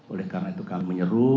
oleh karena itu kami menyeru